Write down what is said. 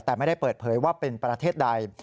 แต่ไม่ได้เปิดเผยว่าเป็นประเทศใด